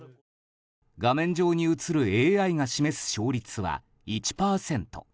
画面上に映るＡＩが示す勝率は１％。